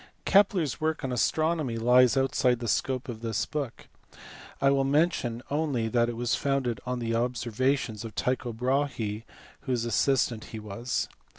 Kepler s work on astronomy lies outside the scope of this book. I will mention only that it was founded on the ob servations of Tycho Brahe f whose assistant he was.